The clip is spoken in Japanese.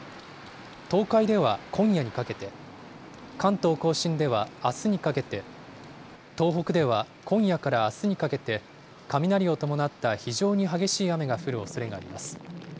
東海では今夜にかけて、関東甲信ではあすにかけて、東北では今夜からあすにかけて、雷を伴った非常に激しい雨が降るおそれがあります。